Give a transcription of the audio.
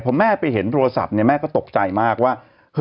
พอแม่ไปเห็นโทรศัพท์เนี่ยแม่ก็ตกใจมากว่า